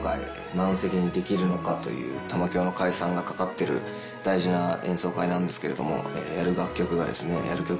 満席にできるのか？という玉響の解散が懸かってる大事な演奏会なんですけどもやる楽曲がですね